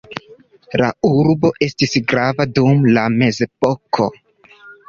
La urbo estis grava dum la Mezepoko.